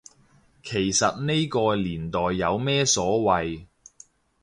其實呢個年代有咩所謂